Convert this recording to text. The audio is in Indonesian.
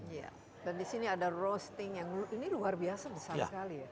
iya dan di sini ada roasting yang ini luar biasa besar sekali ya